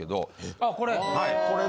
ああこれ？